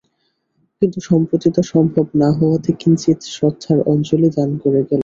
কিন্তু সম্প্রতি তা সম্ভব না হওয়াতে কিঞ্চিৎ শ্রদ্ধার অঞ্জলি দান করে গেলুম।